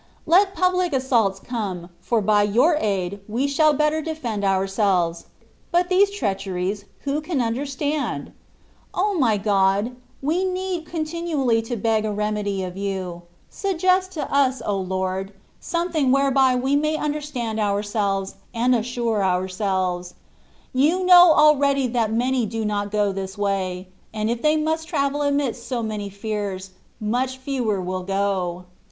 Let pubhc assaults come, for by Your aid we shall better defend ourselves; but these treacheries who can understand ? O my God, we need con tinually beg a remedy of You : suggest to us, O THE WAT OF PERFECTION. 201 Lord, something whereby we may understand ourselves, and assure ourselves; You know already that many do not go this way ; and if they must travel amidst so many fears, much fewer will go.